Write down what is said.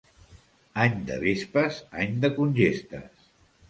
Any de vespes, any de congestes.